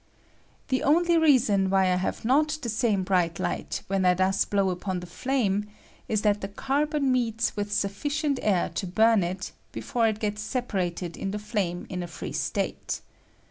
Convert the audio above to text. ] The only reason why I have not the same bright light when I thus blow upon the flame is that the carbon meets with sufficient air to burn it before it gets separated in the flame in a free state.